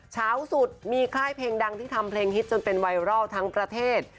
เช้าสุดมีค่ายเพลงดังที่ทำเพลงฮิตจนเป็นไวรัลทั้งประเทศ